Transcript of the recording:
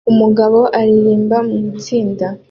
Umugabo uririmba mu itsinda